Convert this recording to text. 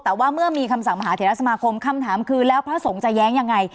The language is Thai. แต่ว่าเมื่อมีคำสั่งมหาเถระสมาคมคำถามคือแล้วพระสงฆ์จะแย้งยังไง